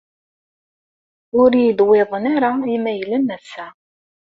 Ur yi-d-wwiḍen ara Imaylen ass-a.